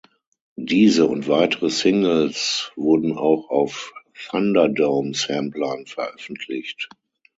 Diese und weitere Singles wurden auch auf Thunderdome-Samplern veröffentlicht.